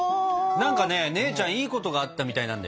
何かね姉ちゃんいいことがあったみたいなんだよね。